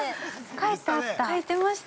◆書いてあった。